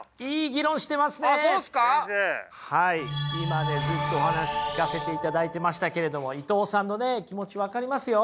今ねずっとお話聞かせていただいてましたけれども伊藤さんのね気持ち分かりますよ。